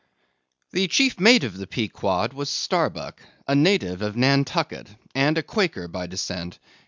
The chief mate of the Pequod was Starbuck, a native of Nantucket, and a Quaker by descent.